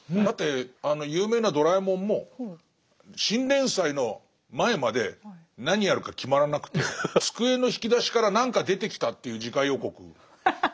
だってあの有名な「ドラえもん」も新連載の前まで何やるか決まらなくて机の引き出しから何か出てきたという次回予告。